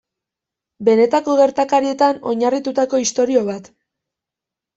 Benetako gertakarietan oinarritutako istorio bat.